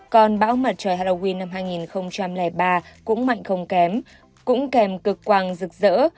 còn bão mặt trời halloween năm hai nghìn ba cũng mạnh không kém cũng kèm cực quang rực rỡ